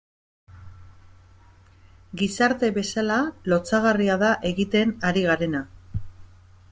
Gizarte bezala lotsagarria da egiten ari garena.